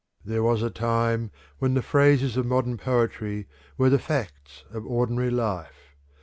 There was a time when the phrases of modern poetry were the facts of ordinary life.